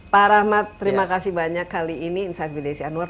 pak rahmat terima kasih banyak kali ini insight with desi anwar